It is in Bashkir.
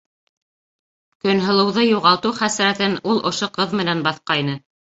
Көнһылыуҙы юғалтыу хәсрәтен ул ошо ҡыҙ менән баҫҡайны.